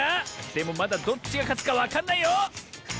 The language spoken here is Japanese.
でもまだどっちがかつかわかんないよ！